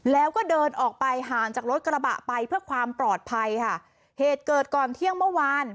แล้วก็เดินออกไปห่างจากรถกระบะไปเพื่อความปลอดภัยค่ะเหตุเกิดก่อนเที่ยงเมื่อวาน